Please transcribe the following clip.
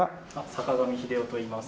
坂上秀翁といいます。